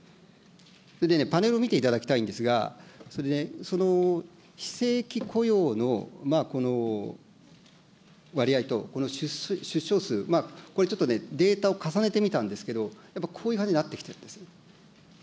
それでね、パネルを見ていただきたいんですが、その非正規雇用のこの割合と、この出生数、これちょっとね、データを重ねてみたんですけど、やっぱりこういう感じになってきてるんですよね。